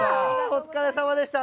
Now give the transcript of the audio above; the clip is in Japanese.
お疲れさまでした！